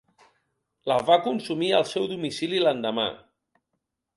La va consumir al seu domicili l’endemà.